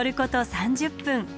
３０分。